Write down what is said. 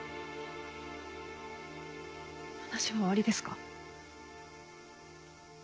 話は終わりですか？